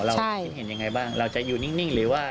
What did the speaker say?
เราคิดเห็นยังไงบ้างเราจะอยู่นิ่งหรือว่า